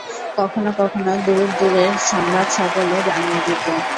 কখনও কখনও দূর-দূরের সংবাদসকলও আনিয়া দিত।